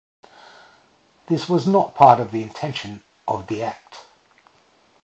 This was not part of the intention of the act.